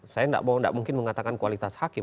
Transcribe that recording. saya tidak mungkin mengatakan kualitas hakim